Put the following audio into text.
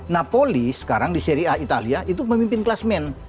napoli sekarang di sri a italia itu memimpin kelas men